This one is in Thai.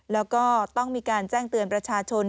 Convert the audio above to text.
แล้วก็ต้องมีการแจ้งเตือนประชาชน